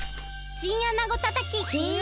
チンアナゴたたき？